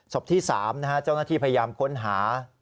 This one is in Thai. ศพที่๓นะครับเจ้าหน้าที่พยายามค้นหา